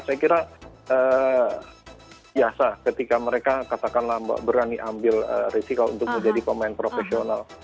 saya kira biasa ketika mereka katakanlah berani ambil risiko untuk menjadi pemain profesional